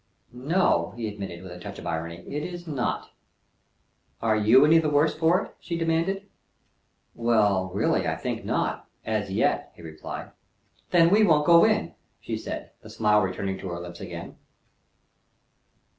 _" "No," he admitted, with a touch of irony, "it is not!" "Are you any the worse for it?" she demanded. "Well, really, I think not as yet," he replied. "Then we won't go in," she said, the smile returning to her lips again.